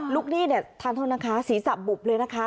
หนี้เนี่ยทานโทษนะคะศีรษะบุบเลยนะคะ